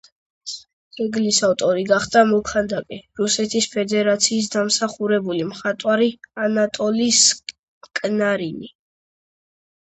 ძეგლის ავტორი გახდა მოქანდაკე, რუსეთის ფედერაციის დამსახურებული მხატვარი ანატოლი სკნარინი.